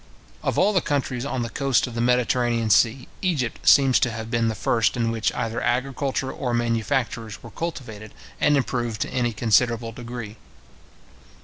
Of all the countries on the coast of the Mediterranean sea, Egypt seems to have been the first in which either agriculture or manufactures were cultivated and improved to any considerable degree.